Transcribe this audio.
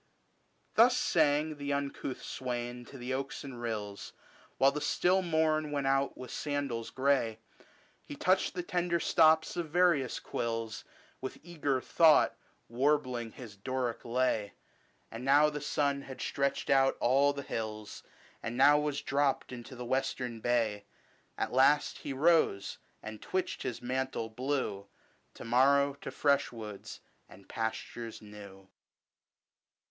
Thus sang the uncouth swain to the oaks and rills> While the still morn went out with sandals grey : He touched the tender stops of various quills, With eager thought warbling his Doric lay : And now the sun had stretched out all the hills, 190' And now was dropt into the western bay. At last he rose, and twitched his mantle blue : To morrow to fresh woods, and pastures new.